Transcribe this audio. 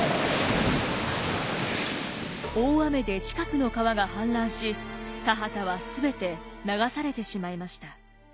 大雨で近くの川が氾濫し田畑は全て流されてしまいました。